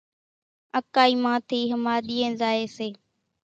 اڪائِي مان ٿي ۿماۮيئين زائي سي